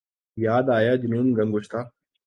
یاد آیا جنون گم گشتہ